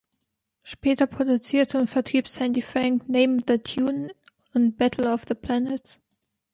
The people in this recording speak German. Später produzierte und vertrieb Sandy Frank „Name That Tune“ und „Battle of the Planets“.